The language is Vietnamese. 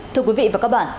thưa quý vị và các bạn